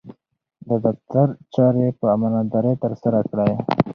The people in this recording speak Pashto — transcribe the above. د دفتر چارې په امانتدارۍ ترسره کړئ.